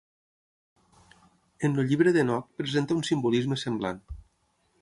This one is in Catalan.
En el Llibre d'Henoc presenta un simbolisme semblant.